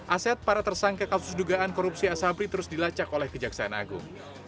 aset para tersangka kasus dugaan korupsi asabri terus dilacak oleh kejaksaan agung